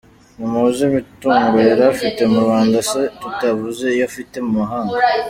Ntimuzi imitungo yari afite mu Rwanda se tutavuze iyo afite I mahanga?